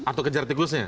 atau kejar tikusnya